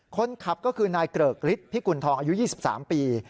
คนขับก็คือนายเกริกฤทธิพิกุณฑองอายุ๒๓ปี